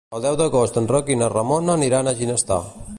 El deu d'agost en Roc i na Ramona aniran a Ginestar.